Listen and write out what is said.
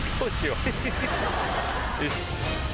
よし！